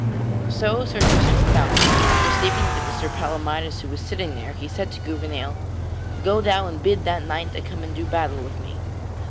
So Sir Tristram found him, and perceiving that it was Sir Palamydes who was sitting there, he said to Gouvernail: "Go thou and bid that knight to come and do battle with me."